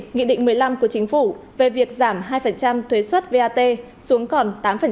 nghị định một mươi năm của chính phủ về việc giảm hai thuế xuất vat xuống còn tám